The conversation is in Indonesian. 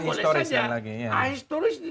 ahistoris itu tidak ada cerita ahistoris